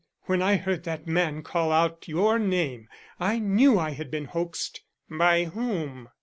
"When I heard that man call out your name, I knew I had been hoaxed." "By whom?"